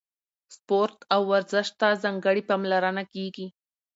سپورت او ورزش ته ځانګړې پاملرنه کیږي.